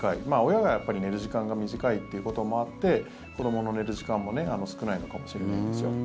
親が寝る時間が短いということもあって子どもの寝る時間も少ないのかもしれないんですよ。